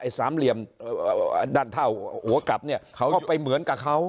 ไอ้สามเหลี่ยมด้านเถ้าหัวกลับก็ไปเหมือนกับเขา